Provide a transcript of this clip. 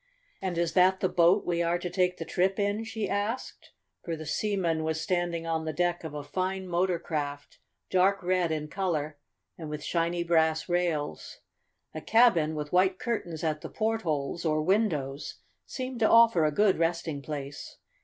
"And is that the boat we are to take the trip in?" she asked, for the seaman was standing on the deck of a fine motor craft, dark red in color, and with shiny brass rails. A cabin, with white curtains at the portholes, or windows, seemed to offer a good resting place.